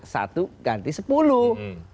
satu ganti sepuluh nah